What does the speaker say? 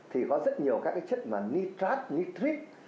thì có rất nhiều các cái chất mà nitrate nitrite